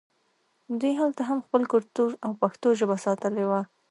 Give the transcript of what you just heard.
دوی هلته هم خپل کلتور او پښتو ژبه ساتلې وه